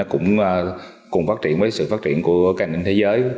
bởi vì ngành in nó cũng phát triển với sự phát triển của các ngành in thế giới